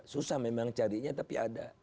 susah memang carinya tapi ada